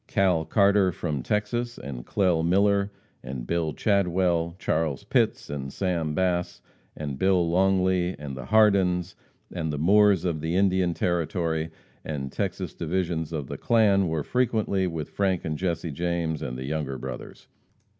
Cal Carter from Texas, and Clell Miller, and Bill Chadwell, Charles Pitts, and Sam Bass, and Bill Longley, and the Hardins and the Moores of the Indian Territory and Texas divisions of the clan were frequently with Frank and Jesse James and the Younger Brothers.